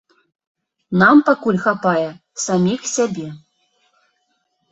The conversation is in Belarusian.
Нам пакуль хапае саміх сябе.